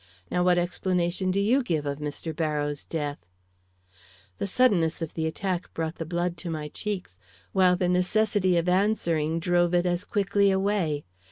Now what explanation do you give of Mr. Barrows' death?" The suddenness of the attack brought the blood to my cheeks, while the necessity of answering drove it as quickly away.